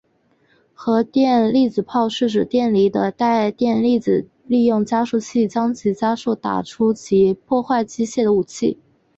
荷电粒子炮是指电离的带电粒子利用加速器将其加速打出以其破坏敌械的武器。